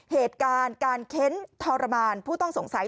เหตุการณ์การเค้นทรมานผู้ต้องสงสัย